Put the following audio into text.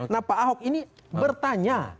nah pak ahok ini bertanya